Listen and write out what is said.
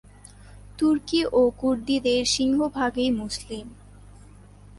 তুর্কি ও কুর্দিদের সিংহভাগই মুসলমান।